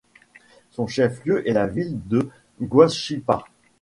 Son chef-lieu est la ville de Guachipas.